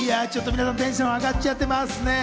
皆さん、テンション上がっちゃってますね。